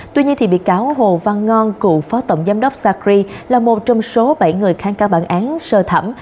tuy nhiên bị cáo hồ văn ngon cựu phó tổng giám đốc sacri là một trong số bảy người kháng cáo bản án sơ thẩm